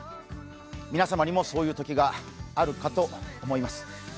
皆様にも、そういう時があるかと思います。